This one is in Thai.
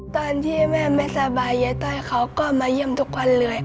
ตอนที่แม่ไม่สบายยายต้อยเขาก็มาเยี่ยมทุกวันเลย